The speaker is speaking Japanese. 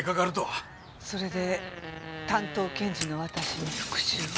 それで担当検事の私に復讐を？